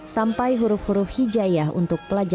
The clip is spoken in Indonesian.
sampai huruf huruf hijayah untuk pelajar